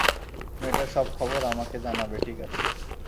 মেয়েটার সব খবর আমাকে জানাবে, ঠিক আছে?